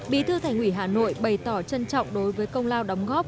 bí thư thành ủy hà nội bày tỏ trân trọng đối với công lao đóng góp